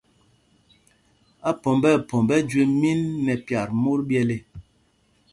Aphɔmb nɛ phɔmb ɛ jüe mín nɛ pyat mot ɓyɛl ê.